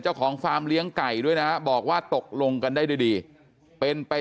ฟาร์มเลี้ยงไก่ด้วยนะบอกว่าตกลงกันได้ด้วยดีเป็นไป